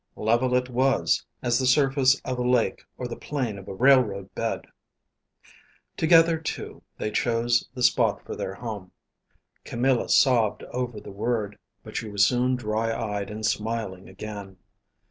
Level it was, as the surface of a lake or the plane of a railroad bed. Together, too, they chose the spot for their home. Camilla sobbed over the word; but she was soon dry eyed and smiling again.